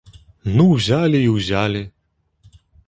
Ну ўзялі і ўзялі.